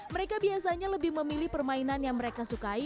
mereka biasanya lebih memilih permainan yang mereka sukai